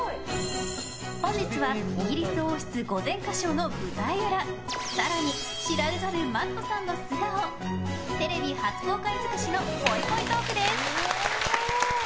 本日はイギリス王室御前歌唱の舞台裏更に知られざるＭａｔｔさんの素顔テレビ初公開尽くしのぽいぽいトークです！